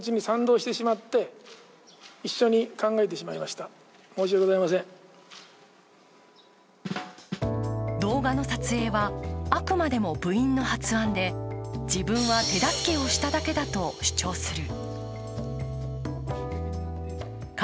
しかし、監督は動画の撮影は、あくまでも部員の発案で自分は手助けをしただけだと主張する。